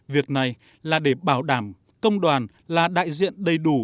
việc này là để bảo đảm công đoàn là đại diện đầy đủ